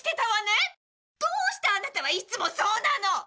どうしてあなたはいつもそうなの！